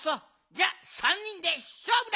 じゃ３にんでしょうぶだ！